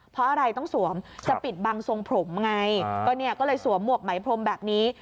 เพราะอะไรต้องสวมจะปิดบังทรงผมไงก็เนี่ยก็เลยสวมหวกไหมพรมแบบนี้